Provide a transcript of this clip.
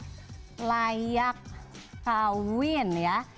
sertifikat layak kawin ya